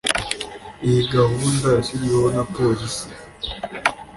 Iyi gahunda yashyizweho na Polisi